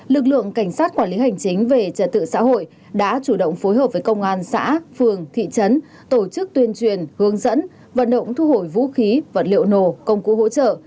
lực lượng cảnh sát quản lý hành chính về trật tự xã hội đã chủ động phối hợp với công an xã phường thị trấn tổ chức tuyên truyền hướng dẫn vận động thu hồi vũ khí vật liệu nổ công cụ hỗ trợ